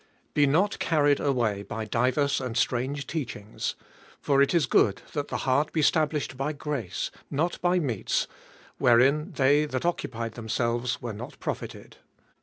Be not carried away by divers and strange teachings : for it is good that the heart be stablished by grace ; not by meats, wherein they that occupied themselves were not profited.